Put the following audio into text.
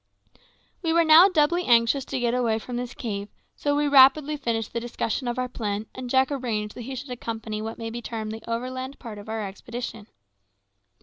We were now doubly anxious to get away from this cave, so we rapidly finished the discussion of our plan, and Jack arranged that he should accompany what may be termed the overland part of our expedition.